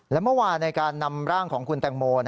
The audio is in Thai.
และเมื่อวานในการนำร่างของคุณแตงโม